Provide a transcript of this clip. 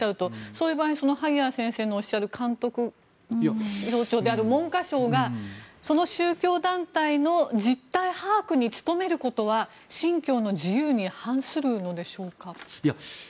そういう場合に萩谷先生のおっしゃる監督省庁である文科省がその宗教団体の実態把握に努めることは、信教の自由に反するのでしょうか。